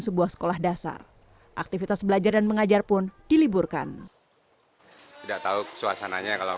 sebuah sekolah dasar aktivitas belajar dan mengajar pun diliburkan tidak tahu suasananya kalau